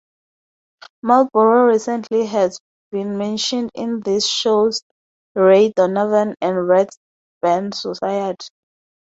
Marlborough recently has been mentioned in the shows "Ray Donovan" and "Red Band Society.